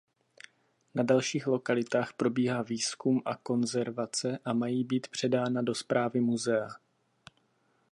Na dalších lokalitách probíhá výzkum a konzervace a mají být předána do správy muzea.